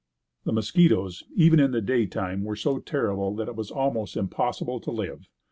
The mosquitoes, even in the daytime were so terrible that it was almost impossible to live.